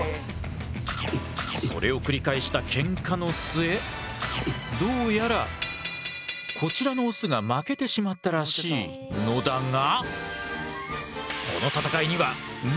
それを繰り返したケンカの末どうやらこちらのオスが負けてしまったらしいのだが。